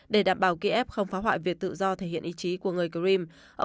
để đảm bảo kiev không phá hoại việc tự do thể hiện ý chí của người gream